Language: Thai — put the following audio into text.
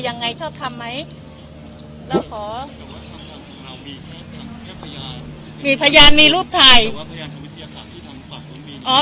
ยังไงชอบทำไหมแล้วขอมีมีรูปไทยค่ะ